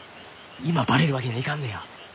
今バレるわけにはいかんのや。